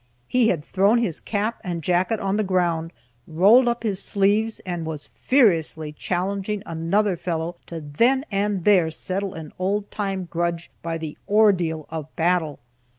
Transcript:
He had thrown his cap and jacket on the ground, rolled up his sleeves, and was furiously challenging another fellow to then and there settle an old time grudge by the "ordeal of battle."